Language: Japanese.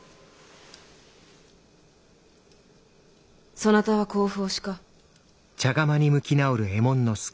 そなたは甲府推しか。